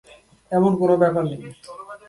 এমন কোনো ব্যাপার নেই।